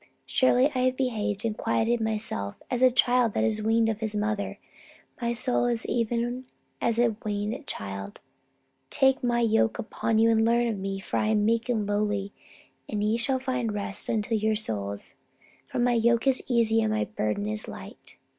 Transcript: Surely I have behaved and quieted myself, as a child that is weaned of his mother: my soul is even as a weaned child ... Take My yoke upon you and learn of Me, for I am meek and lowly in heart, and ye shall find rest unto your souls. For My yoke is easy and My burden is light.